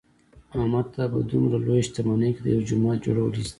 احمد ته په دمره لویه شتمنۍ کې د یوه جومات جوړل هېڅ دي.